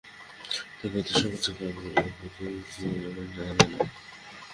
তবে এই অর্থসংকোচনের কারণ ও প্রক্রিয়া অজানা।